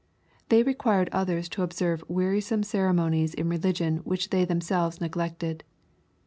They required others to observe wearisome ceremonies in religion which they themselves neglected.